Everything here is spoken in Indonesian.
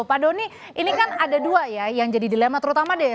pak doni ini kan ada dua ya yang jadi dilema terutama deh